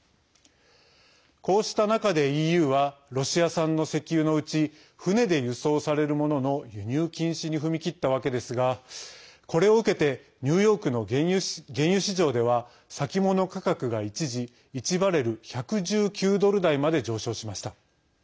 こうした中で、ＥＵはロシア産の石油のうち船で輸送されるものの輸入禁止に踏み切ったわけですがこれを受けてニューヨークの原油市場では先物価格が一時１バレル１１９ドル台まで上昇しました。